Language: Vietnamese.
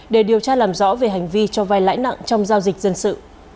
để điều tra làm rõ về hành vi cho vai lãi nặng trong giao dịch dân sự